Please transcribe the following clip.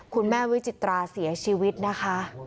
คุณแม่วิจิตราเสียชีวิตนะคะ